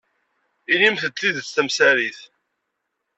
Inimt-d tidet tamsarit.